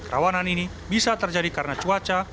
rawanan ini bisa terjadi karena cuaca